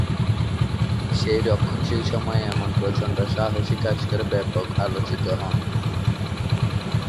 সেই রক্ষণশীল সময়ে এমন প্রচন্ড সাহসী কাজ করে ব্যাপক আলোচিত হন।